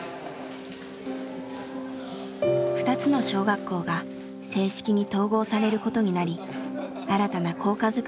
２つの小学校が正式に統合されることになり新たな校歌づくりが始まりました。